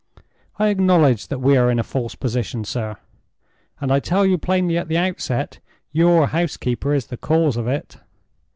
I acknowledge that we are in a false position, sir; and I tell you plainly at the outset—your housekeeper is the cause of it."